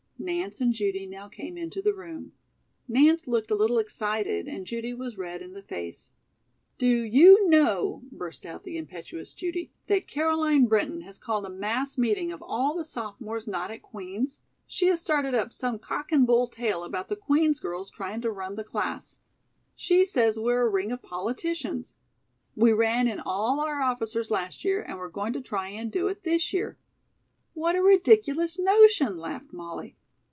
Nance and Judy now came into the room. Nance looked a little excited and Judy was red in the face. "Do you know," burst out the impetuous Judy, "that Caroline Brinton has called a mass meeting of all the sophomores not at Queen's? She has started up some cock and bull tale about the Queen's girls trying to run the class. She says we're a ring of politicians. We ran in all our officers last year and we're going to try and do it this year." "What a ridiculous notion," laughed Molly.